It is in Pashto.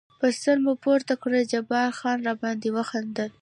پر سر مو پورته کړل، جبار خان را باندې وخندل.